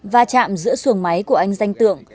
và chạm giữa xuồng máy của anh danh tượng